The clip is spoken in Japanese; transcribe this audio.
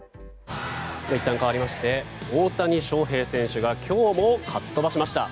いったんかわりまして大谷翔平選手が今日もかっ飛ばしました。